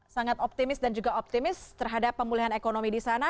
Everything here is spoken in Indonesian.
sangat optimis dan juga optimis terhadap pemulihan ekonomi di sana